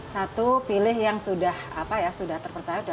satu pilih yang sudah apa ya sudah terpercaya itu legal